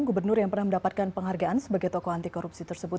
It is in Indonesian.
gubernur yang pernah mendapatkan penghargaan sebagai tokoh anti korupsi tersebut